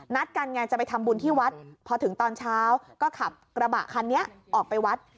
กันไงจะไปทำบุญที่วัดพอถึงตอนเช้าก็ขับกระบะคันนี้ออกไปวัด